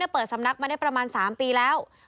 เปิดสำนักมาได้ประมาณ๓ปีแล้ว